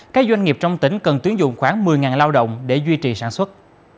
các doanh nghiệp trong tỉnh cần tuyến dụng khoảng một mươi lao động để duy trì sản xuất